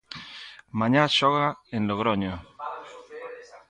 Mañá xoga en Logroño.